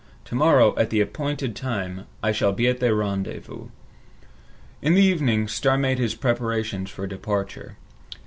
To morrow, at the appointed time, I shall be at the rendezvous." In the evening, Starr made his preparations for departure.